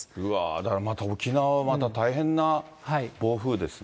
だから、沖縄はまた大変な暴風ですね。